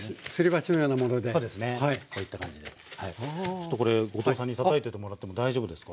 ちょっとこれ後藤さんにたたいててもらっても大丈夫ですか？